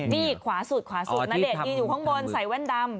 นี่ขวาสุดนาเด็กอยู่ข้างบนใส่แว่นดำ